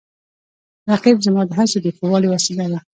رقیب زما د هڅو د ښه والي وسیله ده